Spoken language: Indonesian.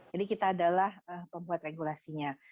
jadi kita adalah pembuat regulasinya